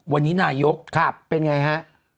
วันนี้นายกเป็นไงฮะ